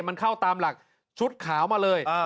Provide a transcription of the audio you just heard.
มันเข้าตามหลักชุดขาวมาเลย